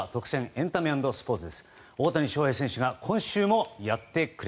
エンタメ＆スポーツ。